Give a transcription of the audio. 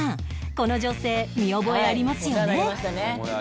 この女性見覚えありますよね？